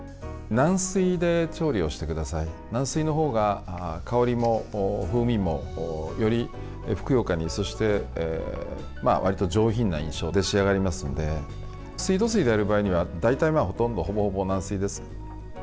軟水のほうが香りも風味もよりふくよかにそして、わりと上品な印象で仕上がりますので水道水でやる場合には大体ほぼほぼ軟水です。